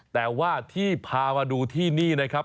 แต่ว่าที่พามาดูที่นี่นะครับ